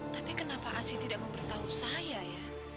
tapi kenapa asi tidak memberitahu saya ya